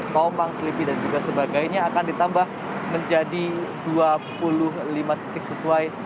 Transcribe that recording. tompang selipi dan juga sebagainya akan ditambah menjadi dua puluh lima titik sesuai